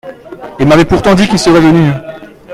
Il m'avait pourtant dit qu'il serait venu.